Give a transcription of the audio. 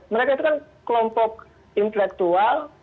mereka itu kan kelompok intelektual